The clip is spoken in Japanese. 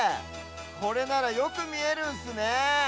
これならよくみえるんすねえ。